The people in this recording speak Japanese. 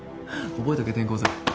覚えとけ転校生。